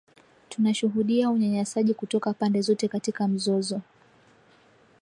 Tunashuhudia unyanyasaji kutoka pande zote katika mzozo